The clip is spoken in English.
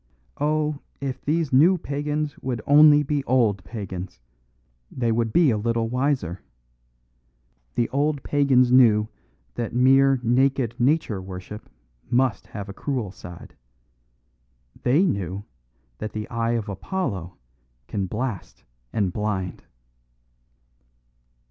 Oh, if these new pagans would only be old pagans, they would be a little wiser! The old pagans knew that mere naked Nature worship must have a cruel side. They knew that the eye of Apollo can blast and blind."